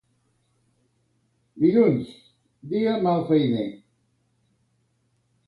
Dilluns, dia malfeiner.